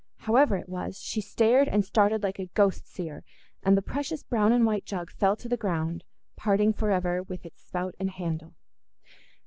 However it was, she stared and started like a ghost seer, and the precious brown and white jug fell to the ground, parting for ever with its spout and handle.